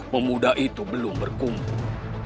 pemuda itu belum berkumpul